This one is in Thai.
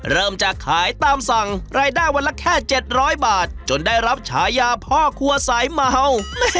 เริ่มจากขายตามสั่งรายได้วันละแค่๗๐๐บาทจนได้รับฉายาพ่อครัวสายเมา